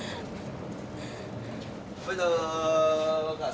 vậy là bây giờ mọi người đã